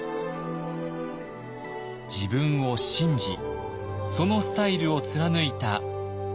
自分を信じそのスタイルを貫いた浅野総一郎。